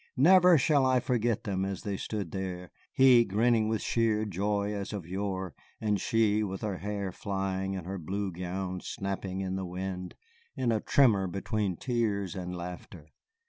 Never shall I forget them as they stood there, he grinning with sheer joy as of yore, and she, with her hair flying and her blue gown snapping in the wind, in a tremor between tears and laughter.